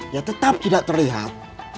ya tetap tidak terlihat